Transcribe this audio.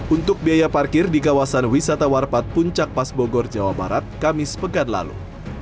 untuk biaya parkir di kawasan wisata warpat puncak pas bogor jawa barat kamis pekan lalu